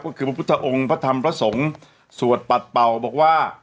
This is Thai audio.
ก็คือพระพุทธองค์พระธรรมพระสงฆ์สวดปัดเป่าบอกว่า